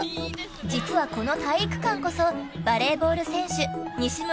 実は、この体育館こそバレーボール選手西村